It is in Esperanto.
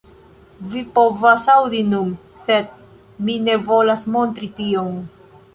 Vi povas aŭdi nun, sed mi ne volas montri tion.